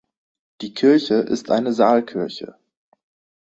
Die Kirche ist eine Saalkirche.